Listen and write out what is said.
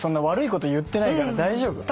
悪いこと言ってないから大丈夫。